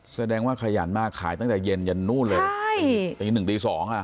แสดงว่าขยันมากขายตั้งแต่เย็นยันนู่นเลยใช่ตีหนึ่งตีสองอ่ะ